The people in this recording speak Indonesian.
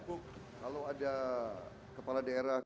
kalau ada kepala daerah